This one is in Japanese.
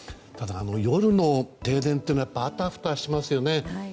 ただ、夜の停電というのはあたふたしますよね。